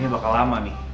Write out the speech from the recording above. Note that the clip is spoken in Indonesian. ini bakal lama nih